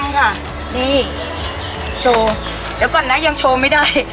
ค่ะนี่โชว์เดี๋ยวก่อนนะยังโชว์ไม่ได้